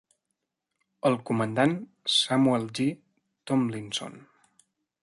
El comandant Samuel G. Tomlinson.